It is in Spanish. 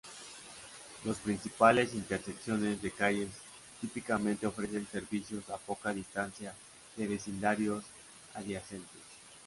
Las principales intersecciones de calles típicamente ofrecen servicios a poca distancia de vecindarios adyacentes.